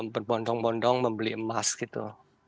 berbondong bondong membeli emas gitu